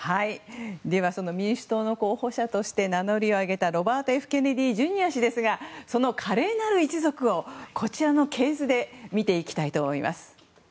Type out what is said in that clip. ではその民主党の候補者として名乗りを上げたロバート・Ｆ・ケネディ・ジュニア氏ですがその華麗なる一族をこちらの系図で見ていきたいと思います。